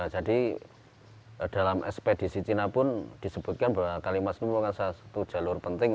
jadi dalam ekspedisi cina pun disebutkan bahwa kalimas ini bukan satu jalur penting